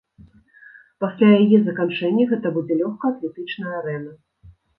Пасля яе заканчэння гэта будзе лёгкаатлетычная арэна.